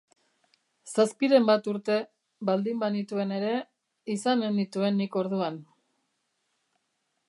Zazpiren bat urte, baldin banituen ere, izanen nituen nik orduan.